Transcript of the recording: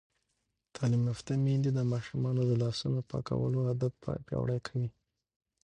تعلیم یافته میندې د ماشومانو د لاسونو پاکولو عادت پیاوړی کوي.